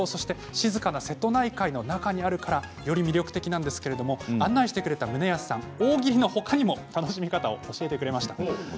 静かな瀬戸内海の中にあるからよけい魅力的なんですが案内してくれた棟保さん大喜利の他にも楽しみ方を教えてくれました。